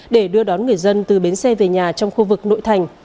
để đưa đón người dân từ bến xe về nhà trong khu vực nội thành